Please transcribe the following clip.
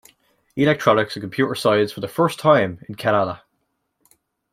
Electronics and Computer Science for the first time in Kerala.